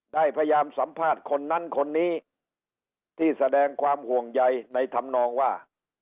ได้พยายามสัมภาษณ์คนนั้นคนนี้ที่แสดงความห่วงใยในธรรมนองว่า